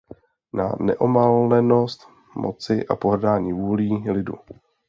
Na neomalenost moci a pohrdání vůlí lidu.